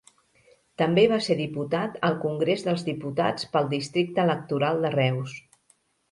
També va ser diputat al Congrés dels Diputats pel districte electoral de Reus.